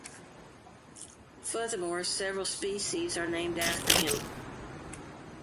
Furthermore, several species are named after him.